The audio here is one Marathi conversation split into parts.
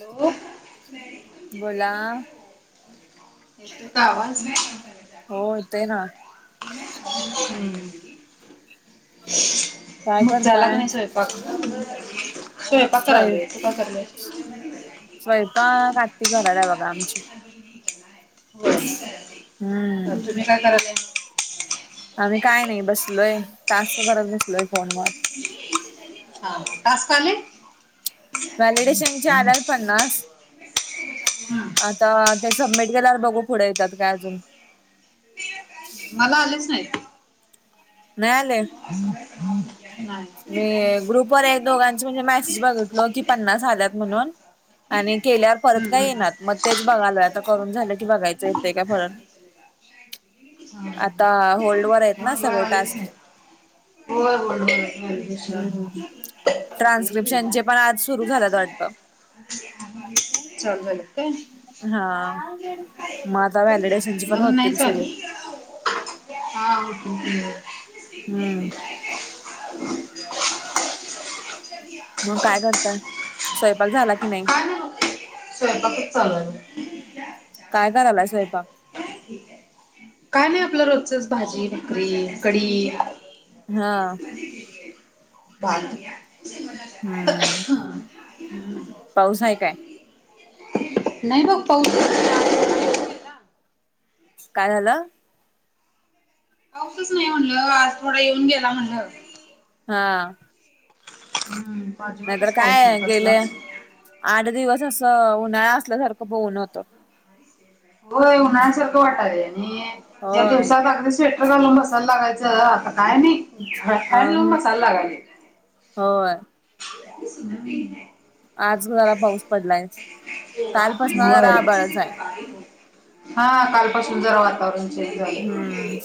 हॅलो, बोला, त तर आवाज नाही एतयऽ हो येतोय ना हम्, काय मग झाला का करताय नाही स्वयंपाक? स्वयंपाक स्वय करालोय,, तु काय कराव्यात? स्वयंपाक आऽ ती घराला आहे बघा आमची.. होय,, हम्म तुम्ही काय करालाय? आम्ही काय नाही, बसलोय, टास्क करत बसलोय फोनवर. हा, टास्क आलय? व्हॅलिडेशनचे आल्यात पन्नासऽ आता,, ते सबमिट केल्यावर बघू पुढे येतात काय अजून? मला आलेच नाही. नाही आलेऽ [inaudible] मी ग्रुपवर एक दोघांची म्हणजे मेसेज बघितलो की पन्नास आल्यात म्हणून आणि केल्यावर परत काय येणार मग तेच बघालय आता करून झालं की बघायचं येतंय का फरण आता होल्डवरर आहेत ना मला सगळे आलेच टास्क नाहीत [unintelligible] ट्रान्स्क्रिप्शनचे पण आज सुरू झाल्यात वाटत. चालु झालेत काय? हा मग आता वॅलीडेसेनचे पण मला होतील नाहीच सुरू. आले हम्म [unintelligible] मग काय करताय? स्वयंपाक झाला की नाही. काय बघ स्वयंपाकच चालू आहे. काय कारायला स्वयंपाक. [inaudible] काय नाही आपल्या रोजचच भाजी, भाकरी, कडी. हा [unintelligible] [inaudible] हम्म पाऊस आहे काय? नाही बघ पाऊस काय झाल. पाऊसच नाही म्हणल. आज थोडा येऊन गेला म्हणल. हा नाहीतर काय गेले [unintelligible] आठ दिवस असं उन्हाळा असल्यासारखं ब ऊन होत. हो उन्हाळ्यासारखं वाटालं आणि या होय दिवसाात अ अगदी स्वेट लावून बसावं लागायचं आता काही नाही. फॅन लावून ह बसायला लागाले. होय आज जरा पाऊस पडलाय. कालपासन जरा होय आभाळच आहे हा कालपासून जरा वातावरण हम्म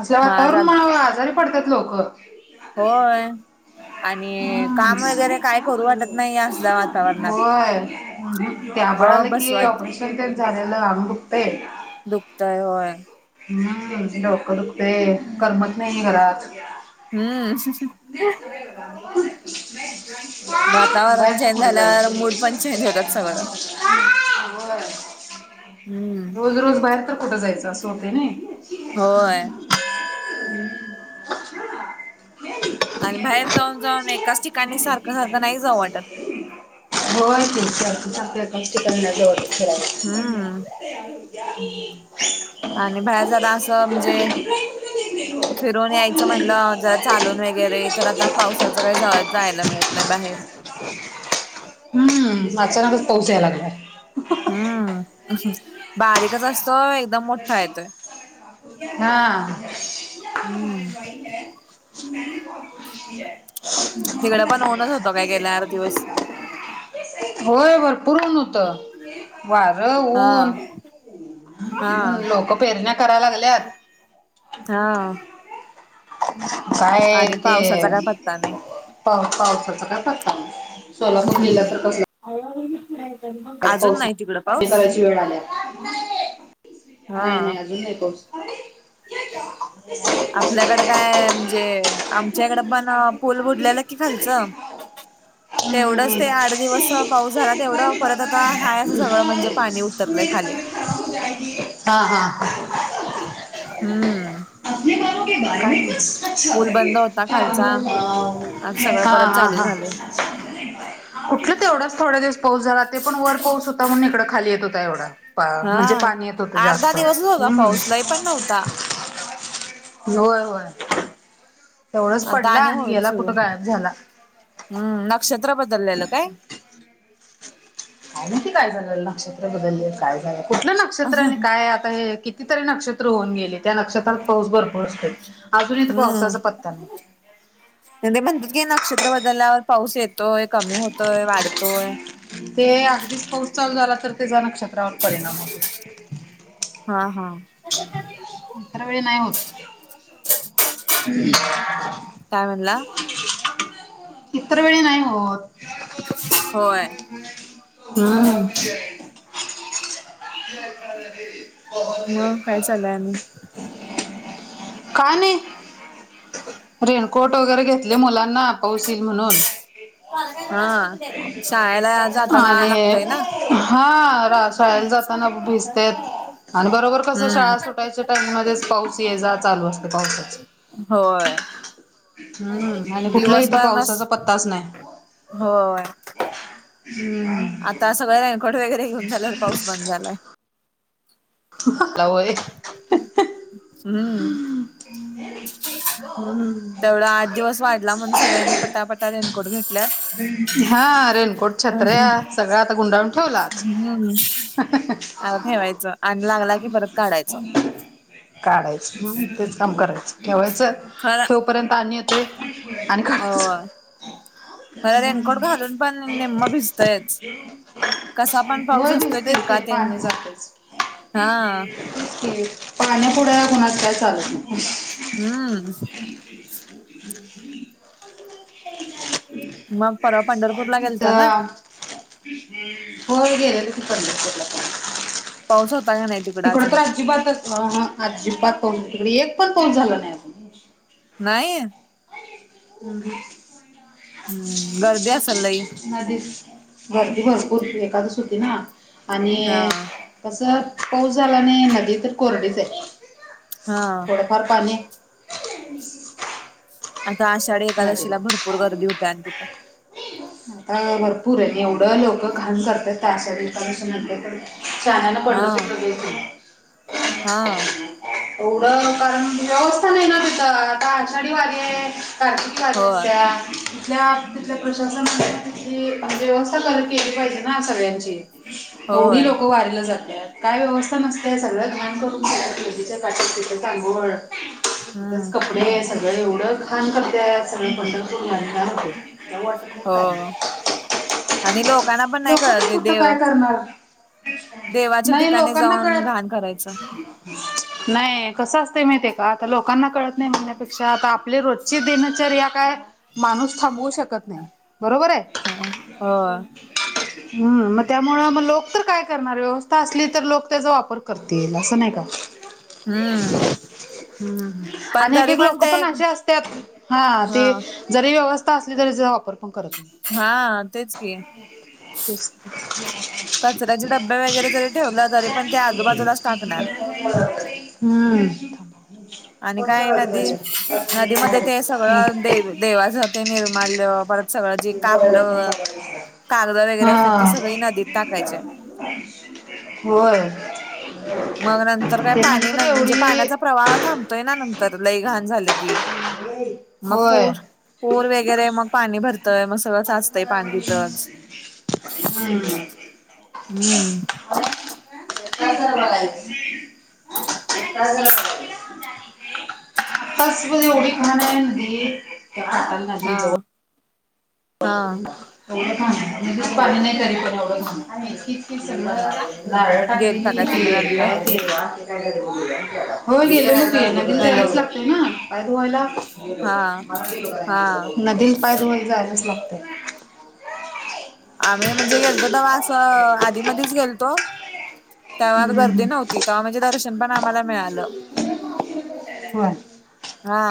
असल्या मग आज वातावरणमुळे आलत आजारी पडतात लोक. होय आणि हम्म काम वगैरे काय करू वाटत नाही असल्या वातावरणात होय. ते गप आभाळ बसू की वाटतंय ऑपरेशन तेन झालेल अंग दुखतय. दुखतय होय. हम्म डोकं दुखतय करमत नाही घरात. हम्म [unintelligible] बाहेर वातावरण तर चेंज झाल्यावर मूड पण चेंज होतात सगळ. व्हय हम्म रोज रोज बाहेर तर कुठं जायचं. असं होत ना होय आणि बाहेर जाऊन जाऊन एकाच ठिकाणी सारखं सारखं नाही जाऊ वाटत. [unintelligible] हम्म [unintelligible] आणि बाहेर जरा असं म्हणजे [unintelligible] फिरून यायचं म्हणलं जरा चालून वगैरे तर आता पावसाचं काही जा जायला मिळत नाही बाहेर. हम्म अचानकच पाऊस यायला लागला. हम्म बारीकच असतोय. ह हम्म [unintelligible] तिकडं पण ऊनच होत बया गेल्या आठ दिवस. होय भरपूर ऊन होत. वार हा ऊन हा हम्म लोक पेरण्या कराय लागल्यात. हा काय हाय आणि ते पावसाचा काय पत्ता नाही पा पावसाचा काय पत्ता नाय सोलापूर जिल्हा तर कस अजून नाही तिकडं पाऊस? हा नाय नाय अजून नाय पाऊस आपल्याकडं काय म्हणजे आमच्याकड पण पूल बुडलेला कि खालचं तेवढंच ते हम्म. आठ दिवस पाऊस झाला तेवढं परत हाय असं सगळं म्हणजे पाणी उतरलंय खाली हा हा हम्म. आपने बालों के बारे में कुछ पूल बंद ह होता खालचा आता सगळं हा परत हा चालू हा. झालंय कुठलं तर एवढाच थोड्या दिवस पाऊस झाला ते पण वर पाऊस होता म्हणून इकडं खाली येत होता एवढा प म्हणजे हा पाणी येत होत आठ दहा जास्त दिवसच होता हम् पाऊस लय पण नव्हता होय होय तेवढच आता पडला आणि होईल गेला सुरू कुठं गायब झाला हम्म नक्षत्र बदललेलं काय? [inaudible] काय माहिती काय झालं नक्षत्र बदलले काय झालं कुठलं नक्षत्र आणि काय आता हे की कितीतरी नक्षत्र होऊन गेले त्या नक्षत्रात पाऊस भरपूर असतो अजून इथ पावसाचा पत्ता नाही कधी म्हणतात की नक्षत्र बदलल्यावर पाऊस येतोय कमी होतोय वाढतोय ते अगदीच पाऊस चालू झाला तर त्याचा नक्षत्रावर परिणाम होतो हा हा. इतर वेळी नाही होत काय म्हणला इतर वेळी नाही होत होय. हम्म. [inaudible] मग काय चालय आणि काय नाही रेनकोट वगैरे घेतले मुलांना पाऊस येईल म्हणून हा शाळेला जाताना आणि लागतय ना हा शाळेला जात ताना भिजत्यात आणि बरोबर कस शाळा सुटायच्या टाइम मध्येच हम्म पाऊस ये जा चालू असते पावसाची होय. हम्म आणि कुठलं इथ दिवसभर नस पावसाचा पत्ताच नाही होय. हम्म. आता सगळं रेनकोट वगैरे घेऊन झाल्यावर पाऊस बंद झालाय हम्म [unintelligible] हम्म. बर आठ दिवस वा लांबून सगळ्यांनी पट पटा पटा रेनकोट घेतलेत हा रेनकोट छत्र्या हा सगळ आता गुंडाळून ठेवला हम्म आता ठेवायचं आणि लागला की परत काढायचं काढायच तेच काम करायच ठेवायचं खर ठेवपर्यंत पाणी येतंय आणि हो काढायचं म्हणा रेनकोट घालून पण निेम्म भिजतयच कसा पण पाऊस होय असतोय तिरकातन [unintelligible] पाण्यापुढ कुणाच काय चालत नाही. हम्म. मग परवा पंढरपूरला गेलता ना. तर होय गेले की पंढरपूरला पण पाऊस होता का नाही तिकड अजून तर अजिबातच अजिबात तों तिकडे एक पण पाऊस झाला नाही. नाही. ह् ह. [unintelligible] हम्म गर्दी असल लई. गर्दी भरपूर एकादस होती ना आणि हा कसं पाऊस झाला नाही नदी तर कोरडीच आहे. हा. थोडफार पाणी. आता आषाढी एकादशीला नदीला भरपूर गर्दी होते आणि तिथं. आता भरपूर आहे एवढं लोक घाण करतात त्या आषाढी म्हटले कनी शहाण्याने हा पंढरपूर नदीवर. हा. एवढं कारण व्यवस्था नाही ग तिथ आता आषाढी वागे आहे कारतिक. होय असत्या त्या म्हणजे व्यवस्था करत केली पाहिजे ना सगळ्यांची. एवढी होय लोकं वारिला जातल्या. काय व्यवस्था नसते सगळं घाण करूनच्या का ति सांगळ. हम्म [unintelligible] सगळ एवढं घाण करते सगळ पंढरप. हो आणि लोकांना पण नाही लोक कळत तरी ते कुठं देव काय करणार. देवाच्या नाही ठिकाणी लोकांना जाऊन कळत. घाण करायचं नाही कसं असतें माहितीे आहे का आता लोकांना कळत नाही म्हणण्यापेक्षा आता आपली रोजची दिनचर्या काय. माणूस थांबवू शकत नाही बरोबर आहे. हा हो. [unintelligible] हम्म मग त्यामुळे मग लोक तर काय करणार व्यवस्था असली तर लोक त्याचा वापर करतील ये असं नाही का. हम्म! हम्म पण आणि एक तरी एक लोक ते पण अशी असतात हा ते. ह जरी व्यवस्था असली तरी त्याचा वापर. पण करत हा तेच की. अ. कचऱ्याचे डब्बे वगैरे जरी [unintelligible] ठेवलं तरी पण ते आजूबाजूलाच [inaudible] टाकणार हम्म! [unintelligible] आणि काय नदी नदीमध्ये ते सगळं दे देवाच ते निर्माण परत. सगळं जे कापलं कागद वगैरे हा. असतात ती सगळी नदीत टाकायची [unintelligible] होय. मग नंतर काय ते पाणी तर म्हणजे एवढी पाण्याचा प्रवाह थांबतोय ना नंतर लईघाण झालं की. होय. पुर वगैरे मग. पाणी भरतंय मग सगळं साचतंय पाणी तथ. हम्म. ला. [unintelligible] आताच एवढी घाण आहे नदी त्या खटण नदी जवळ. हा हा लयी घाण पाणी नाही तरी पणव. नारळ गेलता टाकलेली का तुम्ही नदीवर काय ते आणि काय म्हणतात त्याला हो गेलेले की हॅलो जायलाच लागत ना बायरुवायला. हा हा नदीत पाय धुयाला जायलाच लागते आम्ही म्हणजे गेलतो तवा अस आधी मधच गेलतो त्याव्हा हम्म, गर्दी हम्म, नव्हती तेव्हा म्हणजे दर्शन पण आम्हाला मिळालं होय हा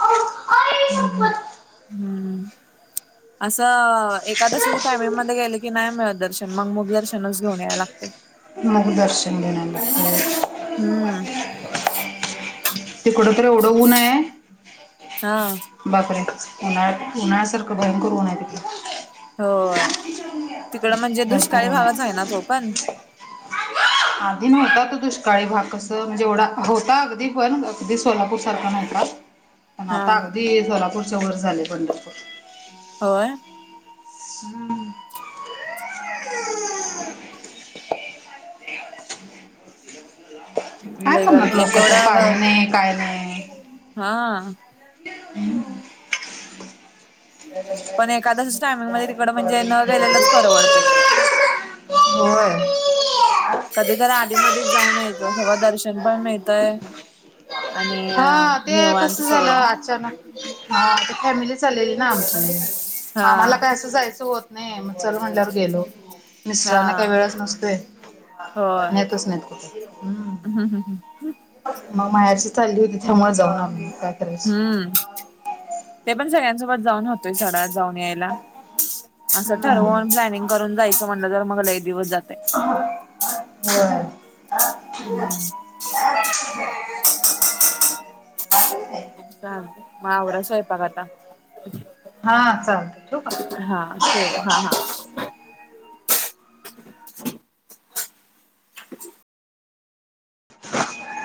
आ आई शप्पथ हम्म [inaudible] असं एकादशीच्या टायमिंग मध्ये गेले की नाही मिळत दर्शन मग मग दर्शनच घेऊन यायला लागते. मुख दर्शन घेयला लागतंय. हम्म तिकडं तरी एवढं ऊन अय हा. बापरे उन्हात उन्हाल्यासारखं भयंकर ऊन आहे तिकडे. होय तिकडं म्हणजे भरपूर दुष्काळी ऊन भागच आहे ना तो पण? [inaudible] आधी नव्हता तो दुष्काळी भाग कसं म्हणजे एवढा होता अगदी पण अगदी सोलापूर सारखा नव्हता. पण हा आता अगदी सोलापूरच्या वर झाले पंढरपूर. होय. हम्म. काय लय करणार पण गर्दी आणि लोक तर तेवढं पाणी नाही काय नाही. हा. [inaudible] पण एकादशीच्या टायमिंग मध्ये तिकड म्हणजे न गेलेलंच [inaudible] परवडतय होय. कधी तर आधीमध्येच जाऊन यायचं सगळ दर्शन पण मिळतय. आणि हा ते कस निवांत झालं सगळं अचानक ह ते फॅमिली चालेली ना मग हा आम्हाला काय असं जायचं होत नाही मग चल म्हणल्यावर गेलो. हा मिस्टरना काही वेळस नसतोय. होय नेतच नाहीेत कुठ हम्. हम्म मग मायारची चालली होती त्यामुळे जाऊन आलो मग काय. करायचं हम्म ते पण सगळ्यांसोबत जाऊन होतोय सोडा जाऊन याय असं ठरवून प्लॅनिंग करून जायचं म्हणलं जर मगला एक दिवस जातय. होय हम्म चालतंय मग आवरा स्वयपाक आता. हा चालतय ठेऊ का? हा ठेव हा हा.